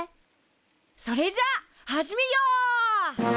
それじゃあ始めよう！